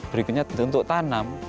berikutnya tentu untuk tanam